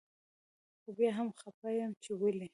خو بيا هم خپه يم چي ولي